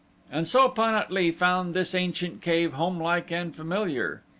And so Pan at lee found this ancient cave homelike and familiar.